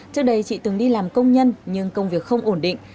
trước đây chị từng đi làm công nhân nhưng công việc không ổn định